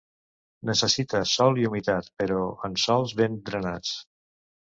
Necessita sol i humitat, però en sòls ben drenats.